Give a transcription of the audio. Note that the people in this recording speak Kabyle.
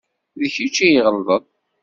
D kečč i iɣelḍen